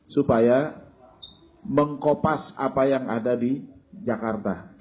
supaya mengkopas apa yang ada di jakarta